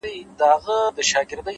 هوښیار انتخاب د سبا ستونزې کموي